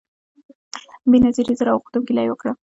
بېنظیري زه راوغوښتم ګیله یې وکړه